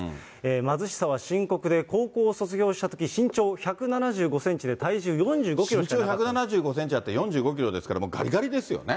貧しさは深刻で、高校を卒業したとき身長１７５センチで体重は４５キロしかなかっ身長１７５センチあって４５キロですと、もうがりがりですよね。